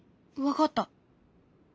分かった。